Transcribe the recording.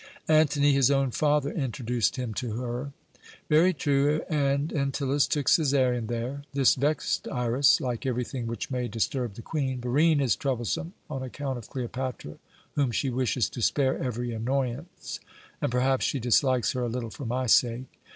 "Antony, his own father, introduced him to her." "Very true, and Antyllus took Cæsarion there. This vexed Iras, like everything which may disturb the Queen. Barine is troublesome on account of Cleopatra, whom she wishes to spare every annoyance, and perhaps she dislikes her a little for my sake.